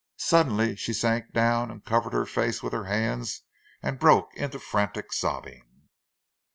Suddenly she sank down, and covered her face with her hands and broke into frantic sobbing.